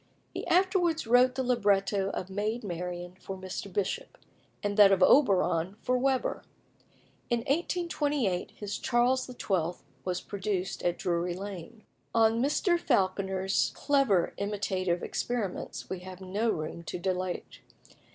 He afterwards wrote the libretto of "Maid Marian" for Mr. Bishop, and that of "Oberon" for Weber. In 1828 his "Charles XII." was produced at Drury Lane. On Mr. Falconer's clever imitative experiments we have no room to dilate.